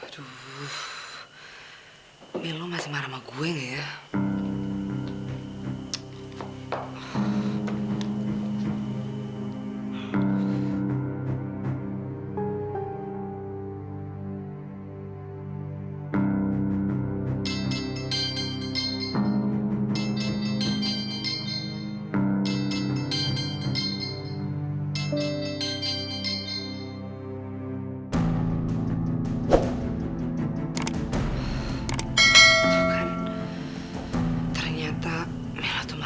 sampai jumpa di video selanjutnya